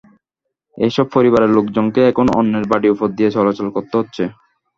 এসব পরিবারের লোকজনকে এখন অন্যের বাড়ির ওপর দিয়ে চলাচল করতে হচ্ছে।